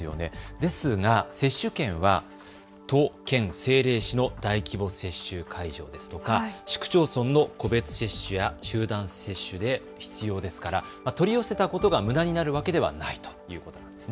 ですが接種券は都、県、政令市の大規模接種会場ですとか市区町村の個別接種や集団接種で必要ですから取り寄せたことがむだになるわけではないということなんですね。